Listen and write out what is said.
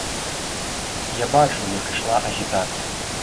Я бачыў, як ішла агітацыя.